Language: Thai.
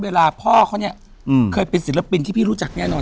เวลาพ่อเขาเนี่ยเคยเป็นศิลปินที่พี่รู้จักแน่นอน